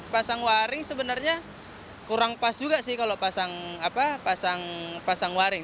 pasang waring sebenarnya kurang pas juga sih kalau pasang waring